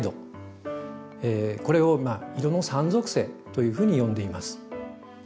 これを色の３属性というふうに呼んでいます。